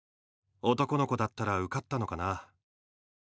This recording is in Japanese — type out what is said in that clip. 男の子だったら受かったのかな？